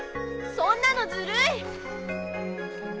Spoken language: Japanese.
そんなのずるい！